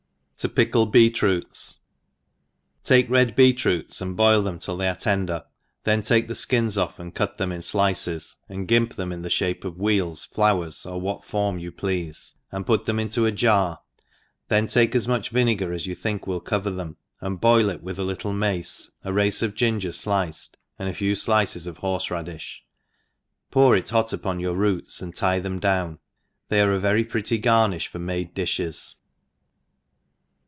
To pickle B^JLT Roots. TAKE red beet roots and boil them till they are tender, then take the flcins ofl^, and cut them in flices, and gimp them in the (hape of wheels, flowers, or what forni you pleafe, and put them into a jar, then take as much vinegar as you think ENOtlBH iJOU$E.REEPER. 353 think will cover thpp, and boil it with a little mace^ a race of ginger fliced, and a few ilices of horfe mdifii, pour it hot upon your roots^ and t\t them down. — ^Thcy are a very pretty gr^rnifh for made difhes.